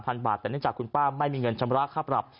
บาทแต่เนื่องจากคุณป้าไม่มีเงินชำระค่าปรับ